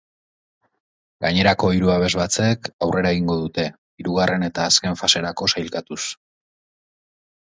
Gainerako hiru abesbatzek aurrera egingo dute, hirugarren eta azken faserako sailkatuz.